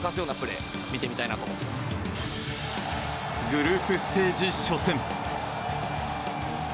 グループステージ初戦